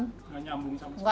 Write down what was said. tidak nyambung sama sekali